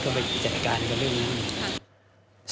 ก็ไปจัดการกับเรื่องนี้